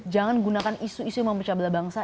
jangan gunakan isu isu yang mempercabala bangsa